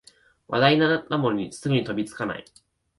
話題になったものにすぐに飛びつかない